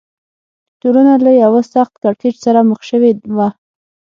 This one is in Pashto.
ټولنه له یوه سخت کړکېچ سره مخ شوې وه.